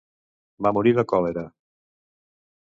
Va morir de còlera.